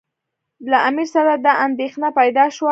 له امیر سره دا اندېښنه پیدا شوه.